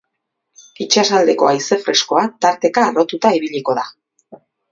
Itsasaldeko haize freskoa, tarteka harrotuta ibiliko da.